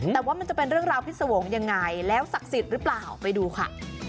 แต่ว่ามันจะเป็นเรื่องราวพิษวงศ์ยังไงแล้วศักดิ์สิทธิ์หรือเปล่าไปดูค่ะ